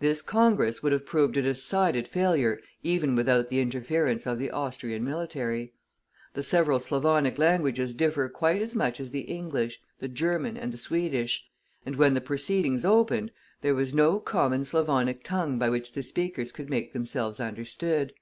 This Congress would have proved a decided failure even without the interference of the Austrian military. The several Slavonic languages differ quite as much as the English, the German, and the Swedish, and when the proceedings opened, there was no common Slavonic tongue by which the speakers could make themselves understood.